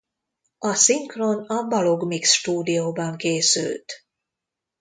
A szinkron a Balog Mix Stúdióban készült.